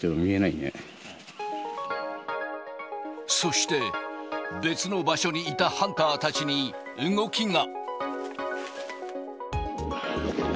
そして、別の場所にいたハンターたちに動きが。